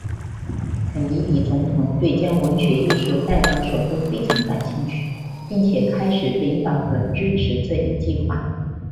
肯尼迪总统对将文学艺术带到首都非常感兴趣并且开始领导和支持这一计划。